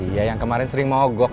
iya yang kemarin sering mogok